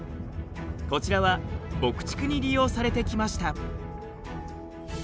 こちらは牧畜に利用されてきました。